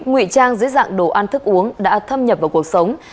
nguy trang dưới dạng đồ ăn thức uống đã thâm nhập vào cuộc sống